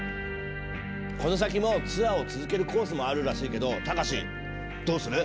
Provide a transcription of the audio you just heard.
この先もツアーを続けるコースもあるらしいけど隆どうする？